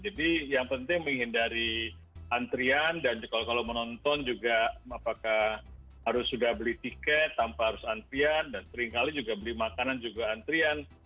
jadi yang penting menghindari antrian dan kalau menonton juga apakah harus sudah beli tiket tanpa harus antrian dan seringkali juga beli makanan juga antrian